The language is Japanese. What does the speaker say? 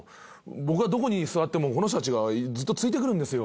僕がどこに座ってもこの人達がずっとついてくるんですよ。